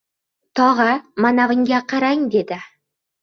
— Tog‘a, manavinga qarang! — dedi.